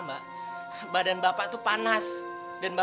gua dari tempat anaknya